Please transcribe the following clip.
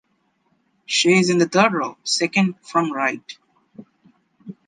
She's in the third row, second from right.